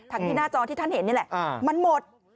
ที่หน้าจอที่ท่านเห็นนี่แหละมันหมด